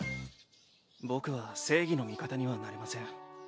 僕は正義の味方にはなれません。